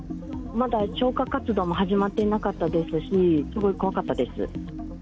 まだ消火活動も始まっていなかったですし、すごい怖かったです。